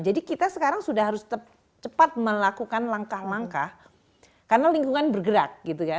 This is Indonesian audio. jadi kita sekarang sudah harus cepat melakukan langkah langkah karena lingkungan bergerak